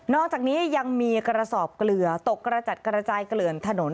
อกจากนี้ยังมีกระสอบเกลือตกกระจัดกระจายเกลื่อนถนน